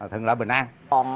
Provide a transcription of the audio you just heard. thường lợi bình an